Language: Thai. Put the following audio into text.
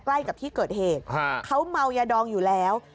ใกล้กับที่เกิดเหตุเขาเมายาดองอยู่แล้ว